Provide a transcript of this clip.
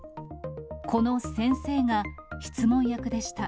この先生が質問役でした。